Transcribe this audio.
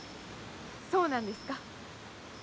そうなんですか？